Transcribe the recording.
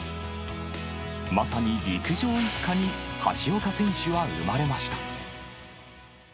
まさに陸上一家に橋岡選手は生まれました。